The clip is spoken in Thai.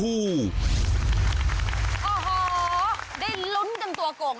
โอ้โหได้ลุ้นกันตัวโก่ง